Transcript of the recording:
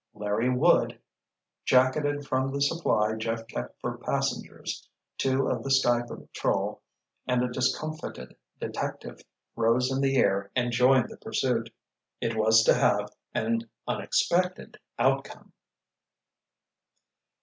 Larry would! Jacketed from the supply Jeff kept for passengers, two of the Sky Patrol and a discomfited detective rose in the air and joined the pursuit. It was to have an unexpected outcome.